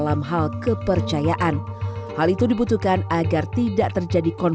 jadi kita bisa mempercayai hal hal yang sebetulnya di dalam kepercayaan